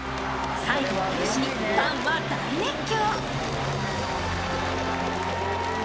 最後の勇姿にファンは大熱狂。